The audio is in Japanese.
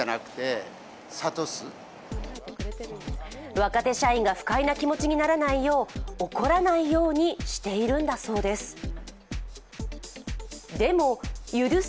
若手社員が不快な気持ちにならによう怒らないようにしているんだそうです。